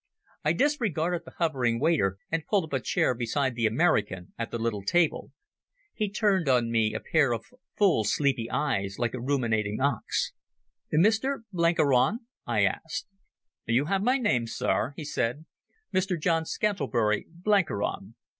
I disregarded the hovering waiter and pulled up a chair beside the American at the little table. He turned on me a pair of full sleepy eyes, like a ruminating ox. "Mr Blenkiron?" I asked. "You have my name, Sir," he said. "Mr John Scantlebury Blenkiron.